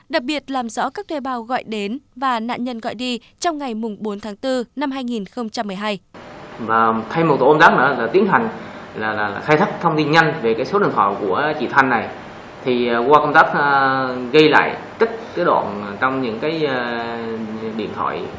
đặc biệt làm rõ các thuê bao gọi đến và nạn nhân gọi đi trong ngày bốn tháng bốn năm hai nghìn một mươi hai